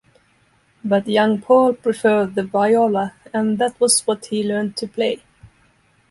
But young Paul preferred the viola, and that was what he learned to play.